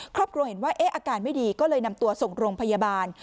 ครอบครัวเห็นว่าอาการไม่ดีก็เลยนำตัวส่งโรงพยาบาล